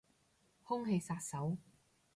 空氣殺手